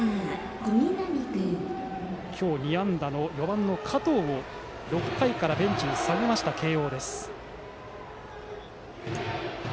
今日２安打、４番の加藤を６回からベンチに下げた、慶応です。